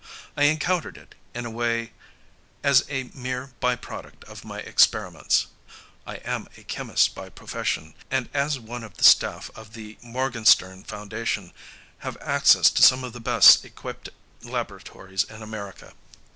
I encountered it, in a way, as a mere by product of my experiments; I am a chemist by profession, and as one of the staff of the Morganstern Foundation have access to some of the best equipped laboratories in America.